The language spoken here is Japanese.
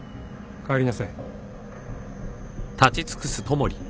帰りなさい。